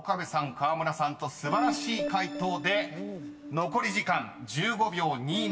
河村さんと素晴らしい解答で残り時間１５秒２７］